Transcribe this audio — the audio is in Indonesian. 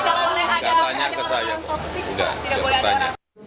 kalau ada masalah yang ada ada masalah yang toksik tidak boleh ada orang